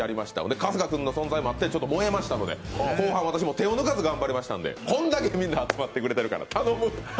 春日君の存在もあってちょっと燃えましたので後半、私も手を抜かず頑張りましたので、こんだけみんな集まってるから頼む！